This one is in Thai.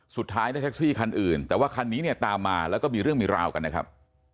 สุดท้ายได้แท็กซี่คันอื่นแต่ว่าคันนี้เนี่ยตามมาแล้วก็มีเรื่องมีราวกันนะครับ